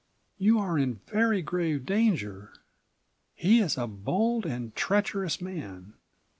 "You are in very grave danger. He is a bold and treacherous man.